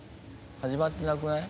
始まってなくない？